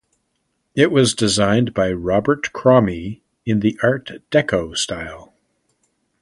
It was designed by Robert Cromie in the Art Deco style.